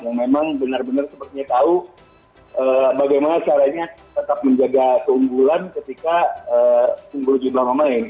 yang memang benar benar sepertinya tahu bagaimana caranya tetap menjaga keunggulan ketika unggul jumlah pemain